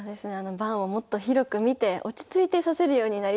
盤をもっと広く見て落ち着いて指せるようになりたいなと思いますね。